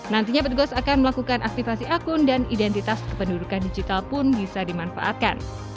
nantinya petugas akan melakukan aktifasi akun dan identitas kependudukan digital pun bisa dimanfaatkan